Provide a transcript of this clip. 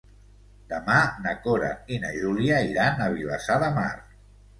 Demà na Cora i na Júlia iran a Vilassar de Mar.